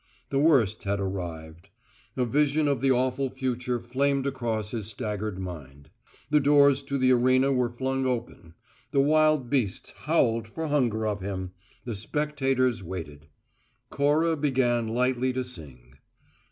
The worst had arrived. A vision of the awful future flamed across his staggered mind. The doors to the arena were flung open: the wild beasts howled for hunger of him; the spectators waited. Cora began lightly to sing